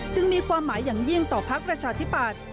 จึงมีความหมายอย่างยิ่งต่อภาครชาธิปัตร